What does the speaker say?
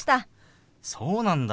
そうなんだ。